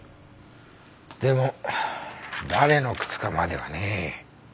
でも誰の靴かまではね。